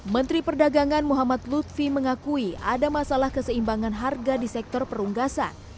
menteri perdagangan muhammad lutfi mengakui ada masalah keseimbangan harga di sektor perunggasan